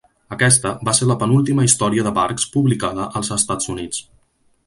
Aquesta va ser la penúltima història de Barks publicada als Estats Units.